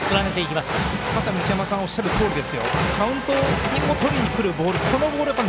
まさに内山さんのおっしゃるとおりです。